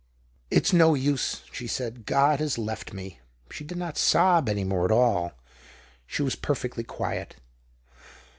" It's no use," she said. " God has left me !" She did not sob any more at all ; she was perfectly quiet.